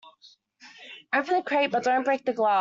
Open the crate but don't break the glass.